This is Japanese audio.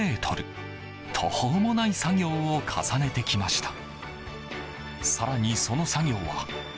途方もない作業を重ねてきました。